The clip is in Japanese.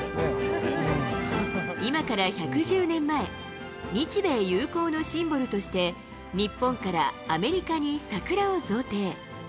今から１１０年前、日米友好のシンボルとして、日本からアメリカに桜を贈呈。